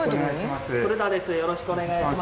よろしくお願いします。